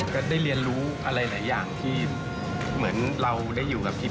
ก็ได้เรียนรู้อะไรหลายอย่างที่เหมือนเราได้อยู่กับกิ๊